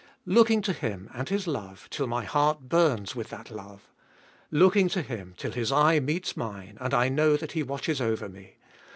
Looking to Him and His love, till my heart burns with that love. Looking to Him, till His eye meets mine, and I know that He watches over me.